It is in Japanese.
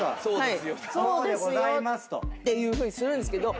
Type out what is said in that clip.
そうですよっていうふうにするんですけど。